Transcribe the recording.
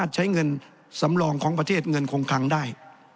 ใช้เงินสำรองของประเทศเงินคงคังได้